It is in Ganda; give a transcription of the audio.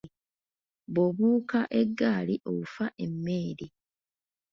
Bw’obuuka eggaali ofa emmeeri.